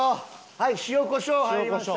はい塩コショウ入りました。